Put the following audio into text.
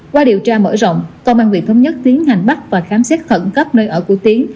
qua điều tra mở rộng công an huyện thống nhất tiến hành bắt và khám xét khẩn cấp nơi ở của tiến